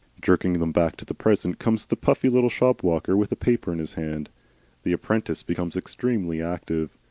Jerking them back to the present comes the puffy little shop walker, with a paper in his hand. The apprentice becomes extremely active.